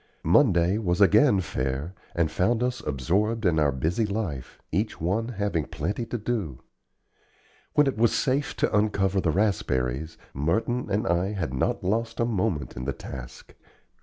Monday was again fair, and found us absorbed in our busy life, each one having plenty to do. When it was safe to uncover the raspberries, Merton and I had not lost a moment in the task.